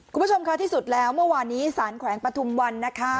คุณผู้ชมค่ะที่สุดแล้วเมื่อวานนี้สารแขวงปฐุมวันนะคะ